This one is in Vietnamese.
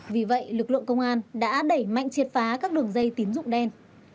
vì vậy lực lượng công an đã đẩy mạnh triệt phá các đường dây tín dụng đen